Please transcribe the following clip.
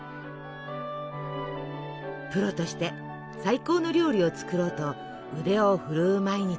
プロとして最高の料理を作ろうと腕を振るう毎日。